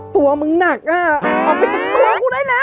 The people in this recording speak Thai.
ตัวมึงหนักอ่ะเอาไปจนตัวกูได้แล้ว